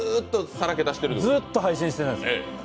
ずっと配信してたんです。